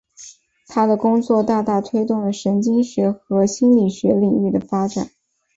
他的工作大大推动了神经学和心理学领域的发展。